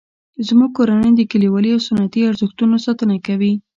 زموږ کورنۍ د کلیوالي او سنتي ارزښتونو ساتنه کوي